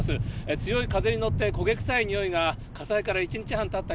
強い風に乗って焦げ臭いにおいが火災から１日半たった